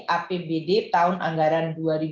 apbd tahun anggaran dua ribu dua puluh